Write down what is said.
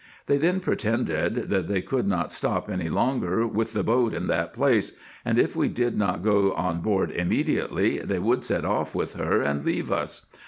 They then pretended, that they could not stop any longer with the boat in that place, and if we did not go on board immediately, they would set off with her and leave us.